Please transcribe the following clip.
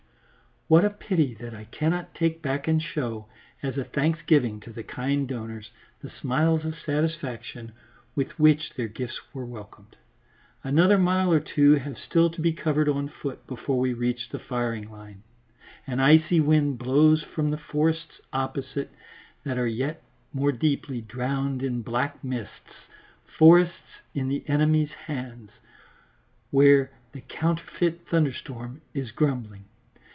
What a pity that I cannot take back and show, as a thanksgiving to the kind donors, the smiles of satisfaction with which their gifts were welcomed. Another mile or two have still to be covered on foot before we reach the firing line. An icy wind blows from the forests opposite that are yet more deeply drowned in black mists, forests in the enemy's hands, where the counterfeit thunderstorm is grumbling.